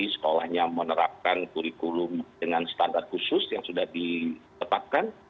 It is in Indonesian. sekolahnya menerapkan kurikulum dengan standar khusus yang sudah ditetapkan